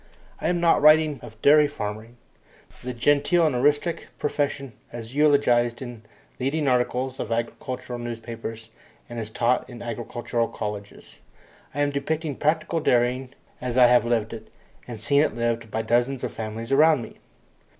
I am not writing of dairy farming, the genteel and artistic profession as eulogized in leading articles of agricultural newspapers and as taught in agricultural colleges. I am depicting practical dairying as I have lived it, and seen it lived, by dozens of families around me.